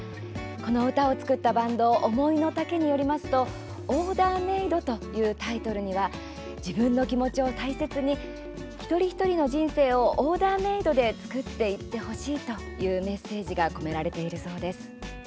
歌を作ったバンドＯｍｏｉｎｏｔａｋｅによりますと「オーダーメイド」というタイトルには自分の気持ちを大切に一人一人の人生をオーダーメイドで作っていってほしいというメッセージが込められているそうです。